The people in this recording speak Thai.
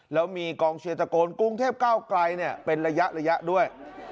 แล้วมีกองเชียร์ตะโกนกรุงเทพเก้าไกลเป็นระยะด้วย